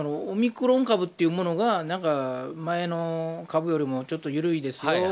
オミクロン株っていうものが前の株よりもちょっと緩いですよ